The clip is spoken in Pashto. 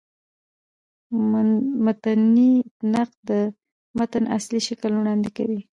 متني نقد د متن اصلي شکل وړاندي کوي.